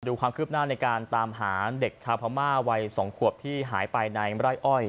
ดูความคืบหน้าในการตามหาเด็กชาวพม่าวัย๒ขวบที่หายไปในไร่อ้อย